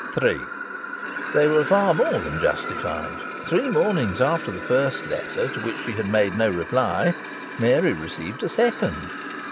III They were far more than justified. Three mornings after the first letter, to which she had made no reply, Mary received a second.